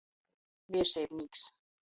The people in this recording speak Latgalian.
Vierseibnīks.